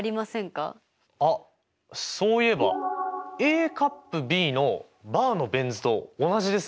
あっそういえばＡ∪Ｂのバーのベン図と同じですね。